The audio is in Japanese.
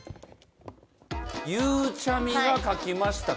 ゆうちゃみが書きました。